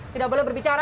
tidak boleh berbicara